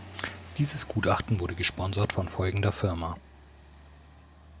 Dieses Gutachten wurde gesponsert von folgender Firma.